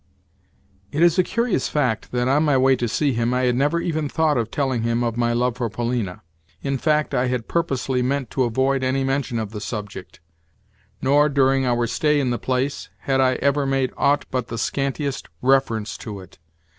It is a curious fact that, on my way to see him, I had never even thought of telling him of my love for Polina. In fact, I had purposely meant to avoid any mention of the subject. Nor, during our stay in the place, had I ever made aught but the scantiest reference to it.